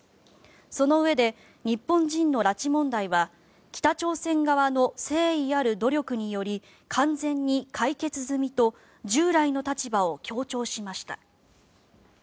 そのうえで日本人の拉致問題は北朝鮮側の誠意ある努力により完全に解決済みと従来の立場を強調しました。